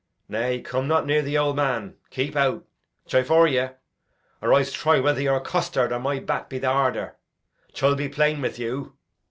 Nay, come not near th' old man. Keep out, che vore ye, or Ise try whether your costard or my ballow be the harder. Chill be plain with you.